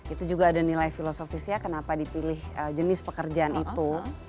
itu juga ada nilai filosofisnya kenapa dipilih jenis pekerjaan itu